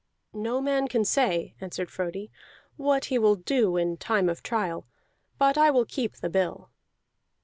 "No man can say," answered Frodi, "what he will do in time of trial. But I will keep the bill."